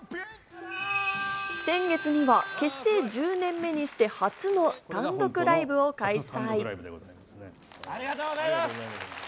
先月には結成１０年目にして、初の単独ライブを開催。